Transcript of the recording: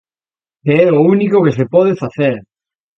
...que é o único que se pode facer.